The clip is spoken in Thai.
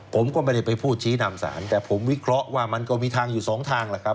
ผมก็ไม่ได้ไปพูดชี้นำสารแต่ผมวิเคราะห์ว่ามันก็มีทางอยู่สองทางแหละครับ